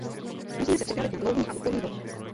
Musíme se připravit na dlouhý a úporný boj.